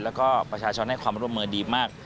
แล้วก็ประชาชนให้ความร่วมมือดีมาก